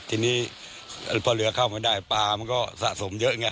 ทีนี้พอเรือเข้ามาได้ปลามันก็สะสมเยอะไง